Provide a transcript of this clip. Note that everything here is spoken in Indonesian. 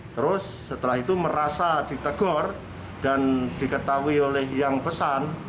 terus setelah itu merasa ditegur dan diketahui oleh yang pesan